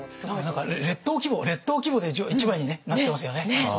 何か列島規模列島規模で一枚にねなってますよね。